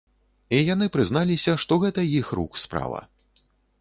І яны прызналіся, што гэта іх рук справа.